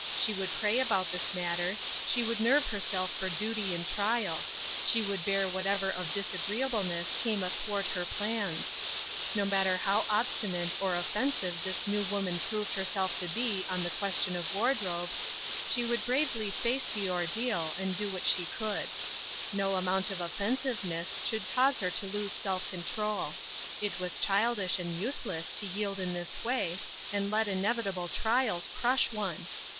She would pray about this matter ; she would nerve herself for duty and trial : she would bear whatever of disagreeableness came athwart her plans. No matter how obstinate oi offensive this new woman proved herself to be on the question of wardrobe, she would bravelj 56 Bitter Herhs. 67 face the ordeal, and do what she could. Nc^ amount of offensiveness should cause her to lose self control. It was childish and useless to yield in this way, and let inevitable trials crush one.